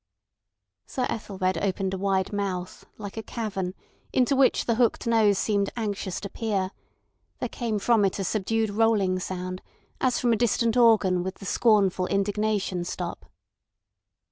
Sir Ethelred opened a wide mouth, like a cavern, into which the hooked nose seemed anxious to peer; there came from it a subdued rolling sound, as from a distant organ with the scornful indignation stop.